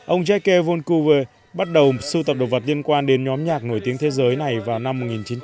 ông jacques vancouver bắt đầu sưu tập đồ vật liên quan đến nhóm nhạc nổi tiếng thế giới này vào năm